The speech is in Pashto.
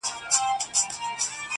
خپروي زړې تيارې پر ځوانو زړونو!